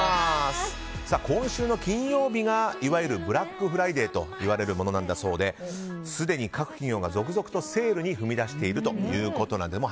今週の金曜日がいわゆるブラックフライデーといわれるものなんだそうですでに各企業が続々とセールに踏み出しているということです。